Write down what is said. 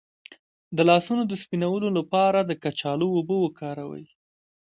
د لاسونو د سپینولو لپاره د کچالو اوبه وکاروئ